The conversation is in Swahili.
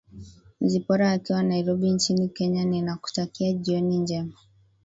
zipporah akiwa nairobi nchini kenya ninakutakia jioni njema